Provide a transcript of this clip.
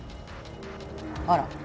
あら。